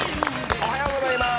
おはようございます。